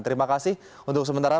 terima kasih untuk sementara